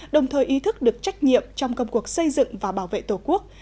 đồng thời ý thức được trách nhiệm trong công cuộc xây dựng và bảo vệ tổ quốc